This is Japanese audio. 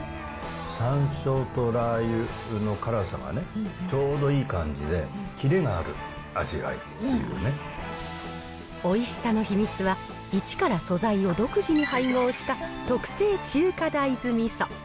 さんしょうとラー油の辛さがね、ちょうどいい感じで、おいしさの秘密は、一から素材を独自に配合した特製中華大豆みそ。